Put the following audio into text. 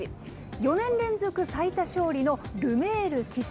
４年連続最多勝利のルメール騎手。